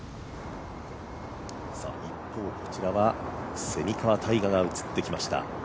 一方こちらは蝉川泰果が映ってきました。